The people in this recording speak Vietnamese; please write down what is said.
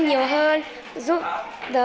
nhiều hơn giúp đỡ